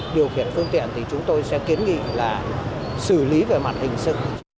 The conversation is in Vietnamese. điều khiển phương tiện thì chúng tôi sẽ kiến nghị là xử lý về mặt hình sự